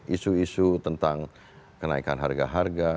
isu isu tentang kenaikan harga harga